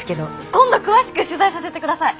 今度詳しく取材させて下さい。